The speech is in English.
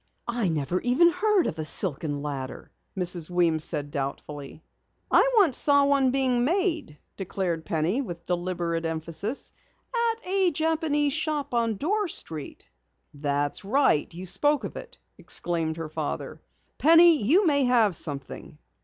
"I never even heard of a silken ladder," said Mrs. Weems doubtfully. "I once saw one being made," declared Penny with deliberate emphasis. "At a Japanese Shop on Dorr Street." "That's right, you spoke of it!" exclaimed her father. "Penny, you may have something!"